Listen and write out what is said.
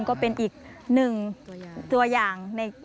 ก็เป็นอีกหนึ่งตัวอย่างใน